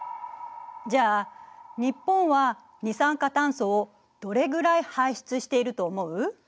じゃあ日本は二酸化炭素をどれぐらい排出していると思う？